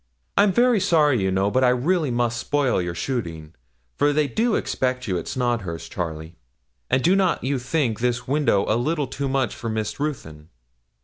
I'm very sorry, you know, but I really must spoil your shooting, for they do expect you at Snodhurst, Charlie; and do not you think this window a little too much for Miss Ruthyn?